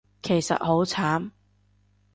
其實好慘